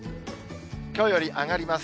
きょうより上がります。